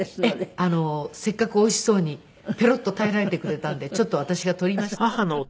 せっかくおいしそうにペロッと平らげてくれたんでちょっと私が撮りました。